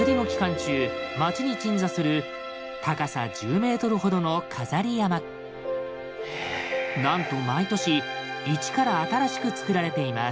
中街に鎮座する高さ１０ｍほどのなんと毎年一から新しくつくられています。